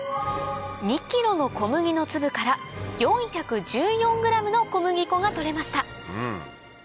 ２ｋｇの小麦の粒から４１４ｇの小麦粉が取れました